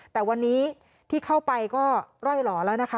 แต่วันนี้ที่เข้าไปก็ร่อยหล่อแล้วนะคะ